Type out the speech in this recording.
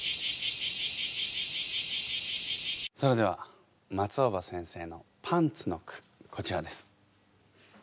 それでは松尾葉先生のパンツの句こちらです。